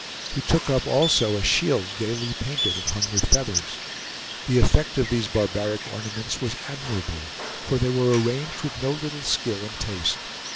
He took up also a shield gayly painted and hung with feathers. The effect of these barbaric ornaments was admirable, for they were arranged with no little skill and taste.